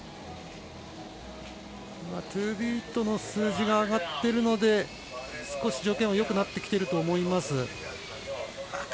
トゥービートの数字が上がっているので少し条件はよくなっていると思います。